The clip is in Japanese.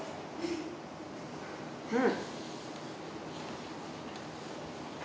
うん。